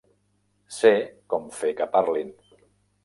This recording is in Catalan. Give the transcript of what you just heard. Sé com fer que parlin.